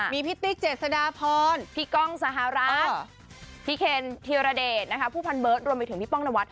มีพี่ติ๊กเจษฎาพรพี่ก้องสหรัฐพี่เคนธีรเดชนะคะผู้พันเบิร์ตรวมไปถึงพี่ป้องนวัฒ